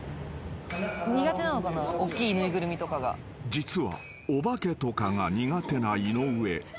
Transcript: ［実はお化けとかが苦手な井上］